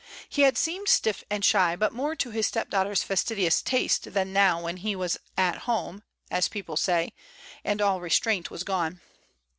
He had seemed stiff and shy, but more to his stepdaughter's fastidi ous taste than now when he was "at home," as people say, and all restraint was gone.